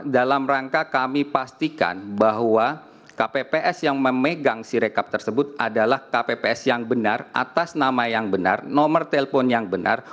dalam rangka kami pastikan bahwa kpps yang memegang sirekap tersebut adalah kpps yang benar atas nama yang benar nomor telepon yang benar